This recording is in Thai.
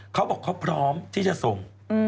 เขาบอกเขาพร้อมที่จะส่ง